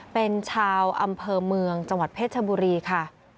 เป็นชาวอำเภอเมืองจังหวัดเพชรชบุรีค่ะ